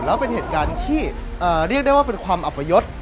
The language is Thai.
แล้วเป็นเหตุการณ์ที่เรียกได้ว่าเป็นความอัพยศ